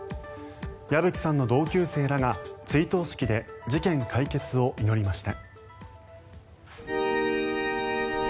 矢吹さんの同級生らが追悼式で事件解決を祈りました。